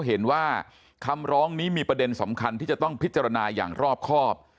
เห็นว่าคำร้องนี้มีประเด็นสำคัญที่จะต้องพิจารณาอย่างรอบครอบ